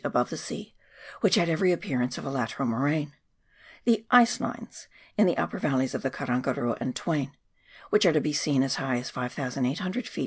above the sea, which had every appearance of a lateral moraine. The " ice lines" in the upper valleys of the Karangarua and Twain, which are to be seen as high as 5,800 ft.